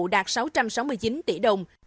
đạt sáu trăm sáu mươi chín tỷ đồng